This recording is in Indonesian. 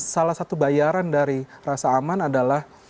salah satu bayaran dari rasa aman adalah